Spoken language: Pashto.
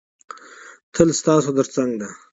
تل ستاسو تر څنګ ده.